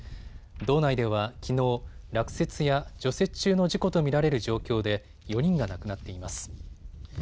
道内ではきのう落雪や除雪中の事故と見られる状況で４人が亡くなっています。